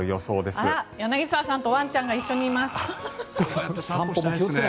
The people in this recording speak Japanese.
あら、柳澤さんとワンちゃんが一緒にいます。